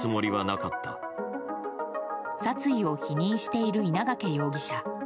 殺意を否認している稲掛容疑者。